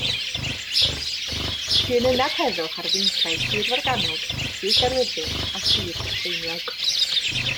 Bu yn ynad heddwch ar feinciau Sir Forgannwg, Sir Gaerfyrddin a Sir Frycheiniog.